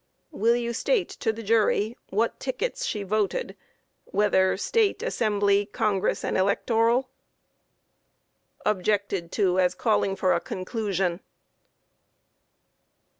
Q. Will you state to the jury what tickets she voted, whether State, Assembly, Congress and Electoral? Objected to as calling for a conclusion.